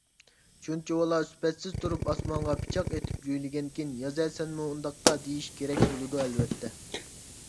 شۇنچىۋالا سۈپەتسىز تۇرۇپ ئاسمانغا پىچاق ئېتىپ جۆيلىگەنكىن يازە سەنمۇ ئۇنداقتا دېيىش كېرەك بولىدۇ، ئەلۋەتتە.